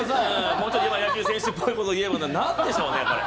もうちょっと野球選手っぽいことを言えればなんでしょうね。